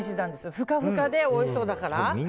ふかふかでおいしそうだから。